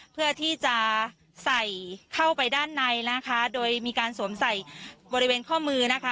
เพื่อที่จะใส่เข้าไปด้านในนะคะโดยมีการสวมใส่บริเวณข้อมือนะคะ